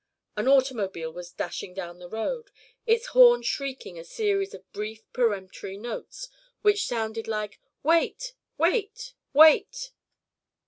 An automobile was dashing down the road, its horn shrieking a series of brief peremptory notes, which sounded like "Wait! Wait! Wait!"